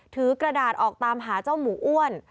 ถือกระดาษออกตามหาเจ้าหมูอ้วน